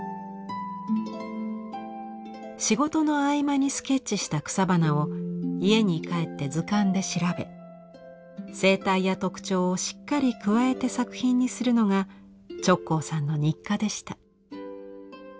仕事の合間にスケッチした草花を家に帰って図鑑で調べ生態や特徴をしっかり加えて作品にするのが直行さんの日課でした。